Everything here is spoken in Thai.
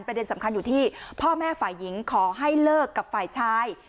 ประเด็นสำคัญอยู่ที่พ่อแม่ฝ่ายหญิงขอให้เลิกกับฝ่ายชาย